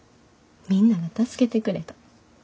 みんなが助けてくれた。